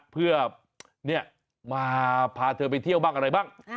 เพื่อมาพาเธอไปเที่ยวบ้างอะไรบ้าง